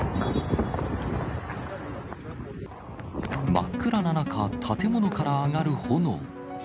真っ暗な中、建物から上がる炎。